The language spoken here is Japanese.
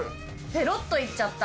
ペロっといっちゃった。